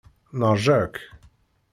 Neṛja-k.